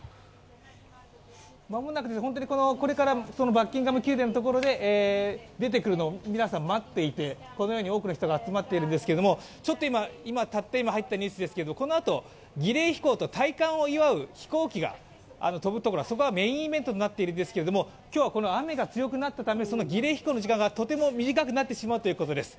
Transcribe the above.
間もなくこれからそのバッキンガム宮殿のところで出てくるのを皆さん待っていて、このように多くの人が集まっているんですけれども、たった今入ったニュースですけれどもこのあと、儀礼飛行と戴冠を祝う飛行機が飛ぶというそこがメインイベントとなっているんですけど、今日はこの雨が強くなったため、その儀礼飛行の時間がとても短くなってしまうということです。